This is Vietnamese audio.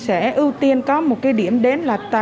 sẽ ưu tiên có một điểm đến là